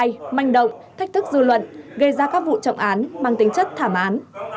không để các băng nhóm khai manh động thách thức dư luận gây ra các vụ trọng án mang tính chất thảm án